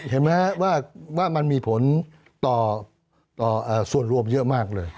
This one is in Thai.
เห็นไหมครับว่ามันมีผลต่อส่วนรวมเยอะมากเลย